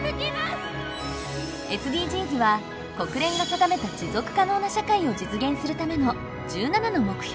ＳＤＧｓは国連が定めた持続可能な社会を実現するための１７の目標。